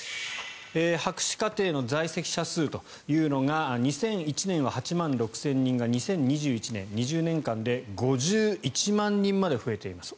博士課程の在籍者数というのが２００１年は８万６０００人が２０２１年２０年間で５１万人まで増えています。